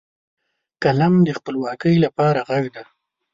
قلم د خپلواکۍ لپاره غږ دی